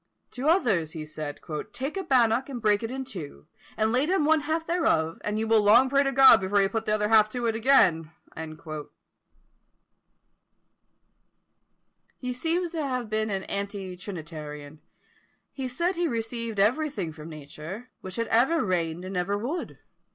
To others he said, "Take a bannock, and break it in two, and lay down one half thereof, and you will long pray to God before he will put the other half to it again!" He seems to have been an anti trinitarian. He said he received everything from nature, which had ever reigned and ever would.